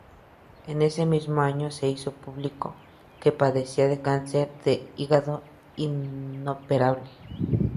En ese mismo año se hizo público que padecía un cáncer de hígado inoperable.